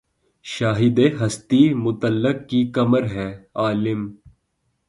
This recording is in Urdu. شاہدِ ہستیِ مطلق کی کمر ہے‘ عالم